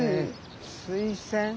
スイセン？